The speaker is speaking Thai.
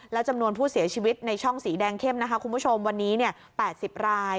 และจำนวนผู้เสียชีวิตในช่องสีแดงเข้มนะคะคุณผู้ชมวันนี้๘๐ราย